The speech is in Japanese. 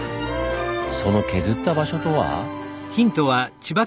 その削った場所とは？